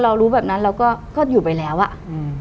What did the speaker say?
รู้แบบนั้นเราก็ก็อยู่ไปแล้วอ่ะอืม